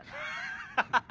ハハハハ。